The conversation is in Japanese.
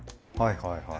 はいはい。